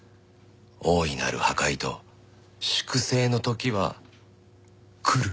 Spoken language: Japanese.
大いなる破壊と粛清の時は来る。